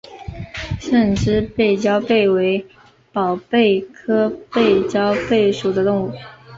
胜枝背焦贝为宝贝科背焦贝属的动物。